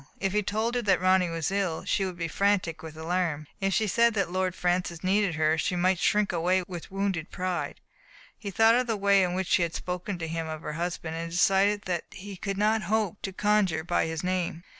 If he told her that Ronny was ill, she would be frantic with alarm. If he said that Lord Francis needed her, she might shrink away with wounded pride. He thought of the way in which she had spoken to him of her husband, and decided that he could not hope to conjure by his name.